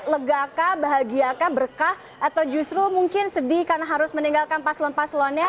legakah bahagiakah berkah atau justru mungkin sedih karena harus meninggalkan paslon paslonnya